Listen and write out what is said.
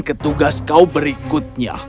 ketugas kau berikutnya